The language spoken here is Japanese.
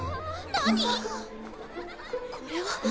何⁉これは。